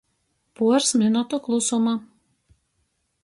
Puors minotu klusuma.